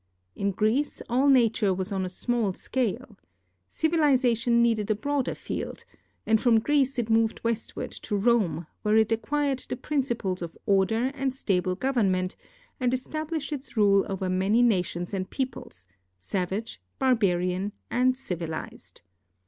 In Greece all nature Avas on a small scale. Civilization needed a broader field, and from Greece it moved westward to Rome, where it acquired the principles of order and stable gov ernment and established its rule over man}' nations and peoples — savage, barbarian, and civilized.